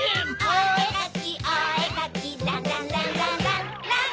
おえかきおえかきランランランランランラン